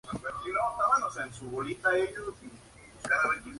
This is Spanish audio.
Adapta una obra de teatro de Dorothy Donnelly.